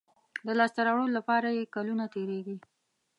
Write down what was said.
د لاسته راوړلو لپاره یې کلونه تېرېږي.